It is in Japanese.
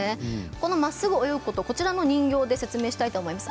このまっすぐ泳ぐことこちらの人形で説明したいと思います。